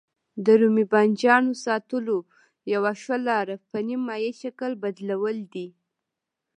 د رومي بانجانو ساتلو یوه ښه لاره په نیم مایع شکل بدلول دي.